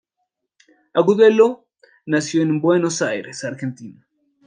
Agudelo nació en Buenos Aires, Argentina.